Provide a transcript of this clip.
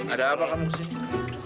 ada apa kamu disini